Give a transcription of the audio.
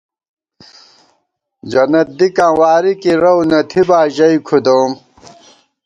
جنت دِکاں واری کی رَؤ نہ تھِبا ژَئی کھُدَؤم